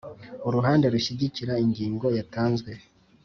uruhande rushyigikira ingingo yatanzwe